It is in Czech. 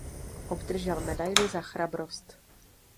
Obdržel medaili Za chrabrost.